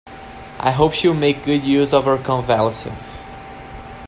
I hope she will make good use of her convalescence.